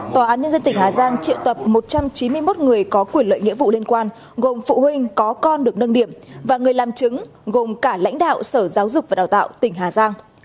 tòa án nhân dân tỉnh hà giang triệu tập một trăm chín mươi một người có quyền lợi nghĩa vụ liên quan gồm phụ huynh có con được nâng điểm và người làm chứng gồm cả lãnh đạo sở giáo dục và đào tạo tỉnh hà giang